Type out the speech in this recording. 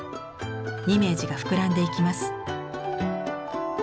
イメージが膨らんでいきます。